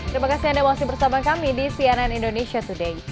terima kasih anda masih bersama kami di cnn indonesia today